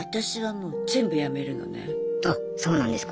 あそうなんですか？